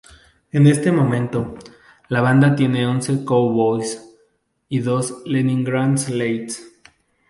En este momento, la banda tiene once Cowboys y dos Leningrad Ladies.